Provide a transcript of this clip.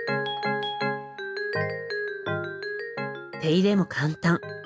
手入れも簡単。